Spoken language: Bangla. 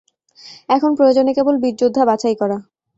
এখন প্রয়োজন কেবল বীর-যোদ্ধা বাছাই করা।